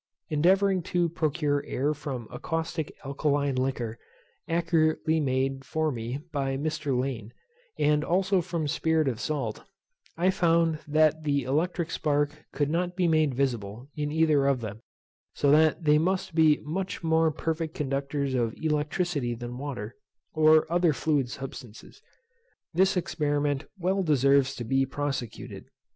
Endeavouring to procure air from a caustic alkaline liquor, accurately made for me by Mr. Lane, and also from spirit of salt, I found that the electric spark could not be made visible in either of them; so that they must be much more perfect conductors of electricity than water, or other fluid substances. This experiment well deserves to be prosecuted.